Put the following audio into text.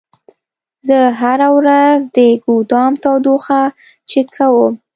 زه هره ورځ د ګودام تودوخه چک کوم.